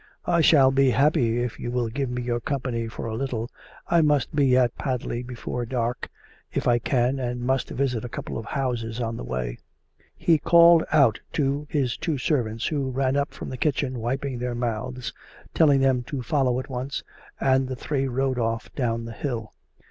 " I shall be happy if you will give me your company for COME RACK! COME ROPE! 31 a little. I must be at Padley before dark, if I can, and must visit a couple of houses on the way." He called out to his two servants, who ran out from the kitchen wiping their mouths, telling them to follow at once, and the three rode off down the hill.